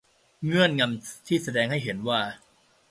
เงื่อนงำที่แสดงให้เห็นว่า